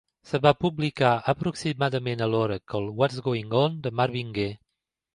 Es va publicar aproximadament alhora que el "What's Going On" de Marvin Gaye.